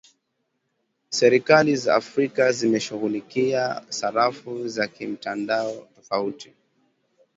Serikali za Afrika zimeshughulikia sarafu ya kimtandao tofauti